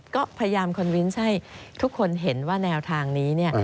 ก็พยายามคอนวินต์ให้ทุกคนเห็นว่าแนวทางนี้เนี่ย